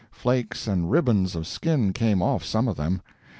Flakes and ribbons of skin came off some of them.